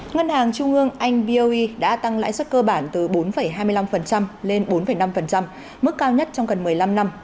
ngân hàng trung ương anh boe đã tăng lãi suất cơ bản từ bốn hai mươi năm lên bốn năm mức cao nhất trong gần một mươi năm năm